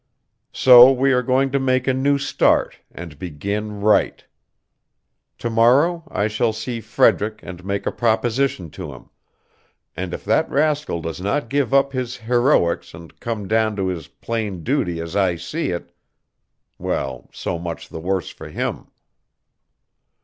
"So we are going to make a new start and begin right. To morrow I shall see Frederick and make a proposition to him, and if that rascal does not give up his heroics and come down to his plain duty as I see it well, so much the worse for him.